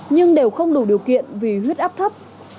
nhưng đều không đủ điều kiện vì huyết áp thấp